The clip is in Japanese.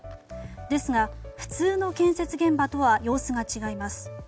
ですが、普通の建設現場とは様子が違います。